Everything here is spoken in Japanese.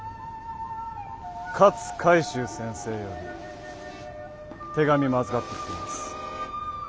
勝海舟先生より手紙も預かってきています。